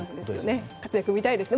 活躍を見たいですね。